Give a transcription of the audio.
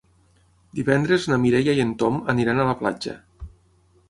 Divendres na Mireia i en Tom aniran a la platja.